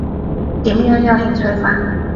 點樣有興趣法？